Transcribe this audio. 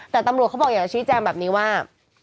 แต่ตำรวจเขาบอกอยากจะชี้แจงแบบนี้ว่า